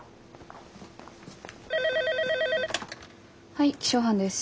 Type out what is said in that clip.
☎はい気象班です。